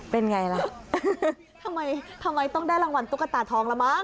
เป็นไงล่ะทำไมทำไมต้องได้รางวัลตุ๊กตาทองละมั